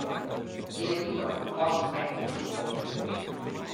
Gean nei Postfek Yn.